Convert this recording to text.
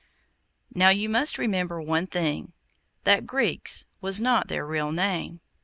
Now you must remember one thing—that 'Greeks' was not their real name.